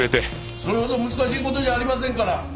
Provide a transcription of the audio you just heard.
それほど難しい事じゃありませんから。